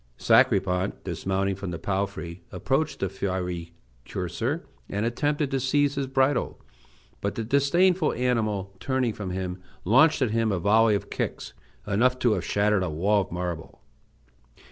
Sacripant, dismounting from the palfrey, approached the fiery courser, and attempted to seize his bridle, but the disdainful animal, turning from him, launched at him a volley of kicks enough to have shattered a wall of marble.